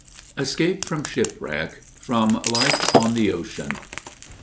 ESCAPE FROM SHIPWRECK. FROM "LIFE ON THE OCEAN."